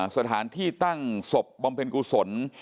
สถานที่ตั้งศพบำเพ็ญกุศล